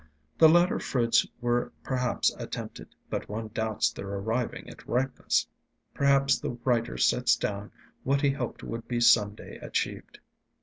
The latter fruits were perhaps attempted, but one doubts their arriving at ripeness. Perhaps the writer sets down what he hoped would be some day achieved.